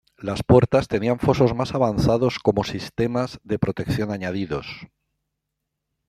Las puertas tenían fosos más avanzados como sistemas de protección añadidos.